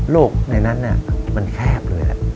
โรคในนั้นนะมันแคบเลยอะ